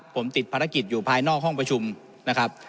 ผมติดภารกิจอยู่ภายนอกห้องประชุมนะครับ